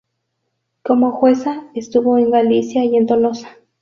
Como jueza estuvo en Galicia y en Tolosa.